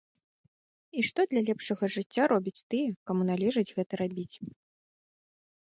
І што для лепшага жыцця робяць тыя, каму належыць гэта рабіць?